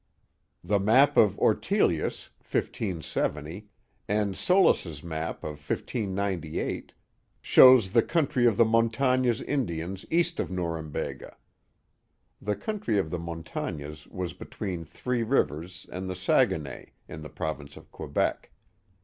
The map of Ortelius, 1570, and Solis's map of 1598, shows the country of the Montagnes Indians east of Norumbega. (The country of the Montagnes was between Three Rivers and the Saguenay, in the province of Quebec.)